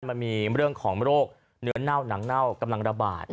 มันมีเรื่องของโรคเนื้อเน่าหนังเน่ากำลังระบาด